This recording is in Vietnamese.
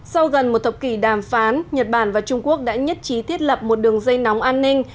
sau gần một thập kỷ đàm phán nhật bản và trung quốc đã nhất trí thiết lập một đường dây nóng an ninh